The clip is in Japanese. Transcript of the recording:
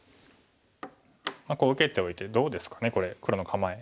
こう受けておいてどうですかねこれ黒の構え。